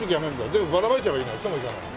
全部ばらまいちゃえばいいのにそうもいかない？